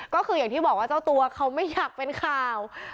ก็คืออย่างที่บอกว่าเจ้าตัวเขาไม่อยากเป็นข่าว